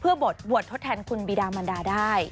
เพื่อบวชบวชทดแทนคุณบีดามันดาได้